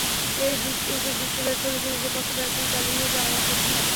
এতে জিততে ব্যর্থ হলে ক্রুজের পক্ষে প্রার্থিতা চালিয়ে যাওয়া কঠিন হবে।